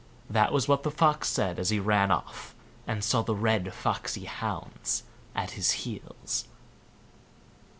'" That was what the Fox said as he ran off, and saw the red foxy hounds at his heels.